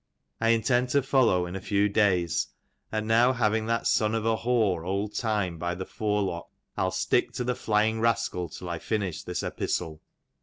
I intend to follow in a few days, and now having that sou of a whore old Time by the forelock, I'U stick to the flying rascal till I finish this epistle.